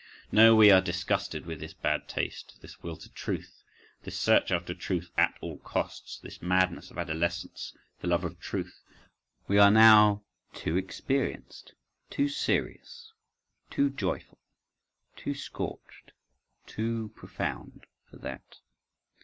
(15) No, we are disgusted with this bad taste, this will to truth, this search after truth "at all costs;" this madness of adolescence, "the love of truth;" we are now too experienced, too serious, too joyful, too scorched, too profound for that.